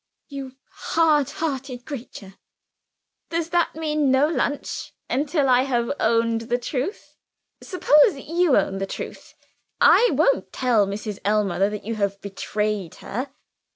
"You hard hearted creature!" "Does that mean no luncheon until I have owned the truth? Suppose you own the truth? I won't tell Mrs. Ellmother that you have betrayed her."